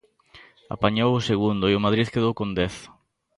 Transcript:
Apañou a segundo e o Madrid quedou con dez.